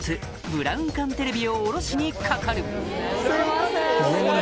ブラウン管テレビを下ろしにかかる！